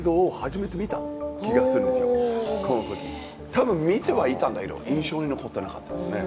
多分見てはいたんだけど印象に残ってなかったですね。